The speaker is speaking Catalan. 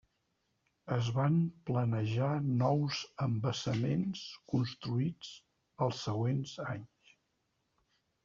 Es van planejar nous embassaments construïts els següents anys.